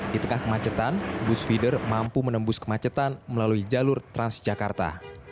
di tengah kemacetan bus feeder mampu menembus kemacetan melalui jalur transjakarta